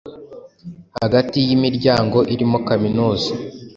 hagati yimiryango irimo kaminuza